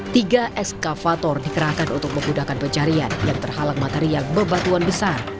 tiga eskavator dikerahkan untuk memudahkan pencarian yang terhalang material bebatuan besar